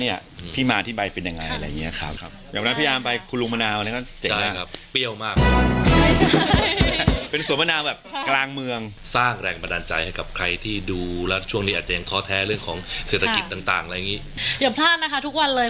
อย่าพลาดนะคะทุกวันเลย